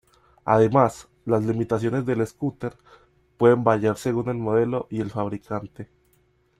Además, las limitaciones del scooter pueden variar según el modelo y el fabricante.